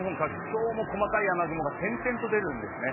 今日も細かい雨雲が点々と出るんですね。